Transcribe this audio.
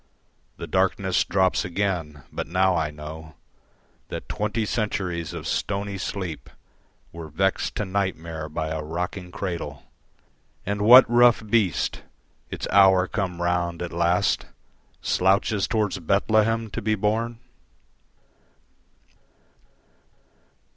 The darkness drops again; but now I know That twenty centuries of stony sleep Were vexed to nightmare by a rocking cradle, And what rough beast, its hour come round at last, Slouches towards Bethlehem to be born?